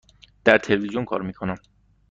در تلویزیون کار می کنم.